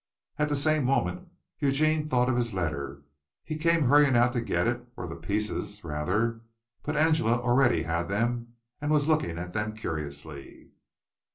At the same moment Eugene thought of his letter. He came hurrying out to get it, or the pieces, rather, but Angela already had them and was looking at them curiously.